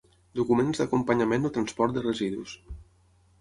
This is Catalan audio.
Documents d'acompanyament el transport de residus.